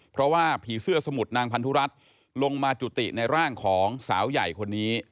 เพราะว่าผีเสื้อสมุดนางพันธุรัตน์ลงมาจุติในร่างของสาวใหญ่คนนี้